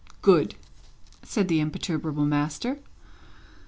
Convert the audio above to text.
"Good," said the imperturbable master.